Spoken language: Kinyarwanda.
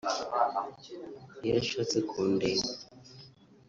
Iyo ashatse kundeba